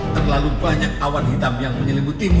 terlalu banyak awan hitam yang menyelimutimu